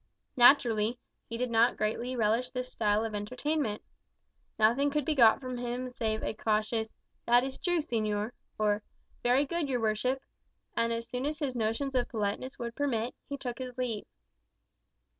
Naturally, he did not greatly relish this style of entertainment. Nothing could be got from him save a cautious, "That is true, señor," or, "Very good, your worship;" and as soon as his notions of politeness would permit, he took his leave.